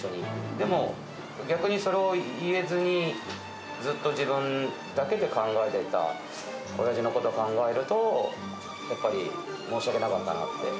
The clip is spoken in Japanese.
でも、逆にそれを言えずに、ずっと自分だけで考えていたおやじのことを考えると、やっぱり申し訳なかったなって。